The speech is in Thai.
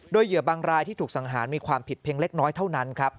โดยเหยื่อบางรายที่ถูกสังหารมีความผิดเพียงเล็กน้อยเท่านั้นครับ